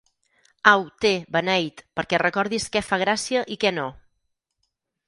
Au, té, beneit, perquè recordis què fa gràcia i que no!